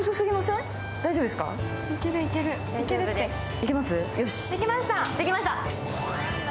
できました！